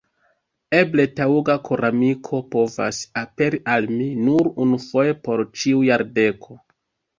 Eble taŭga koramiko povas aperi al mi nur unufoje por ĉiu jardeko.